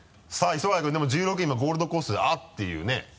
磯貝君でも１６位今「ゴールド・コースト」で「あっ」ていうね。